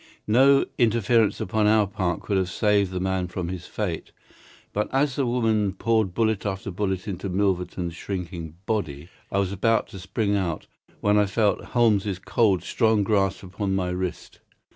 No interference upon our part could have saved the man from his fate; but as the woman poured bullet after bullet into Milverton's shrinking body I was about to spring out, when I felt Holmes's cold, strong grasp upon my wrist.